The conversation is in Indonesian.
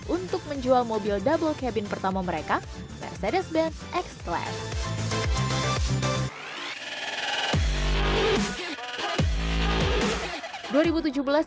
untuk menjual mobil double cabin pertama mereka mercedes benz x class